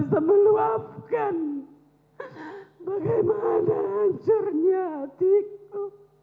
bisa meluapkan bagaimana hancurnya hatiku